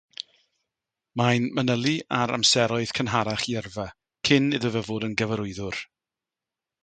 Mae'n manylu ar amseroedd cynharach ei yrfa, cyn iddo fod yn gyfarwyddwr.